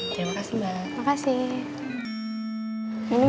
terima kasih mbak